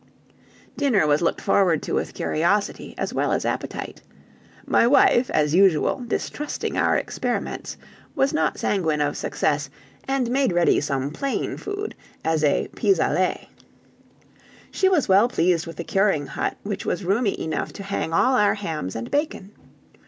Dinner was looked forward to with curiosity, as well as appetite; my wife, as usual, distrusting our experiments, was not sanguine of success, and made ready some plain food as a pis aller. She was well pleased with the curing hut, which was roomy enough to hang all our hams and bacon.